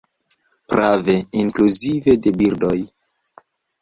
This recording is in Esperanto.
Prave, inkluzive de birdoj.